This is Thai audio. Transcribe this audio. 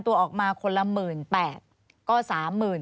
ควิทยาลัยเชียร์สวัสดีครับ